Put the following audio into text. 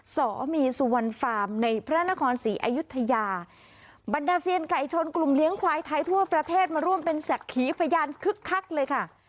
สมีสุวรรณฟาร์มในพระนครศรีอายุทยาบรรดาเซียนไก่ชนกลุ่มเลี้ยงควายไทยทั่วประเทศมาร่วมเป็นศักดิ์ขีพยานคึกคักเลยค่ะ